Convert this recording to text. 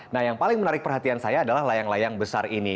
nah yang paling menarik perhatian saya adalah layang layang besar ini